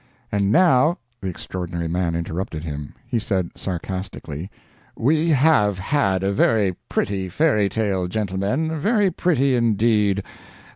And now " The Extraordinary Man interrupted him. He said, sarcastically, "We have had a very pretty fairy tale, gentlemen very pretty indeed.